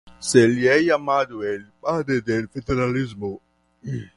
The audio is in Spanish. Se le ha llamado el ""Padre del federalismo"".